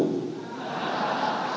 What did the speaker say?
tidak sampai panas